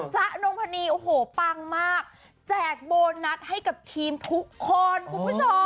ะนงพนีโอ้โหปังมากแจกโบนัสให้กับทีมทุกคนคุณผู้ชม